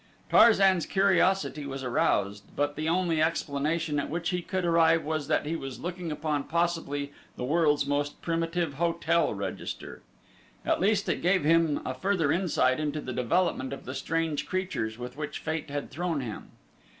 Tarzan's curiosity was aroused, but the only explanation at which he could arrive was that he was looking upon possibly the world's most primitive hotel register. At least it gave him a further insight into the development of the strange creatures with which Fate had thrown him.